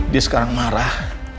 dia sekarang marah